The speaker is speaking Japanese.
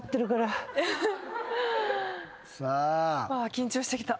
緊張してきた。